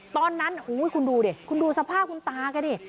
ตอนนั้นคุณดูสภาพคุณตาก็ดิ